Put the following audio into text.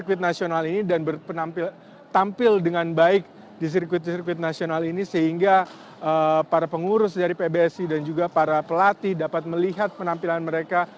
sirkuit nasional ini dan tampil dengan baik di sirkuit sirkuit nasional ini sehingga para pengurus dari pbsi dan juga para pelatih dapat melihat penampilan mereka